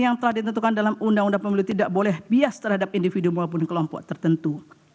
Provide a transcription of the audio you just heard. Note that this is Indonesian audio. yang telah ditentukan dalam undang undang pemilu tidak boleh bias terhadap individu maupun kelompok tertentu